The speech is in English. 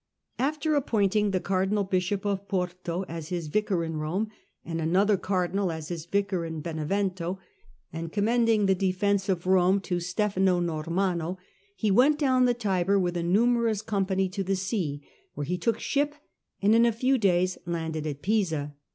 After appointing the cardinal bishop of Porto as his vicar in Rome, and another cardinal as his vicar in Benevento, and commending the defence of Rome to Digitized by VjOOQIC The Conclusion of the Strife 207 Stefano Normanno, he went down the Tiber, with a numerous company, to the sea, where he took ship and in a few days landed at Pisa.